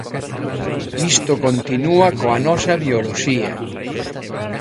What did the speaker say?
Isto continúa coa nosa bioloxía.